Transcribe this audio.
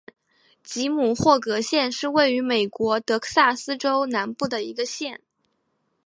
吉姆霍格县是位于美国德克萨斯州南部的一个县。